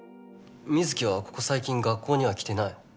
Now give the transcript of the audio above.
水城はここ最近学校には来てない。